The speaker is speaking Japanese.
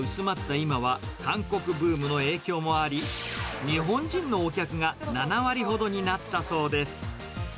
今は、韓国ブームの影響もあり、日本人のお客が７割ほどになったそうです。